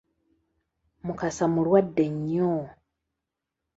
Mukasa mulwadde nnyo.